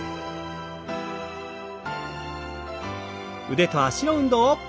腕と脚の運動。